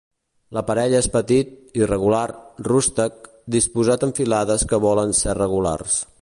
L'aparell és petit, irregular, rústec, disposat en filades que volen ser regulars.